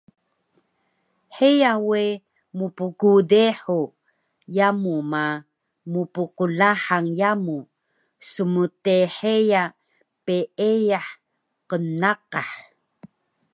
Heya we mpgdehu yamu ma, mpqlahang yamu smtheya peeyah qnnaqah